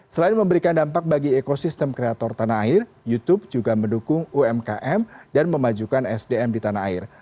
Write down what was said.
selain memberikan dampak bagi ekosistem kreator tanah air youtube juga mendukung umkm dan memajukan sdm di tanah air